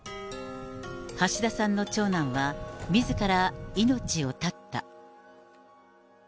橋田さんの長男は、みずから命を絶った。